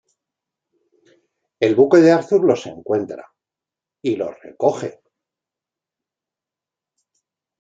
El buque de Arthur los encuentra, y los recoge.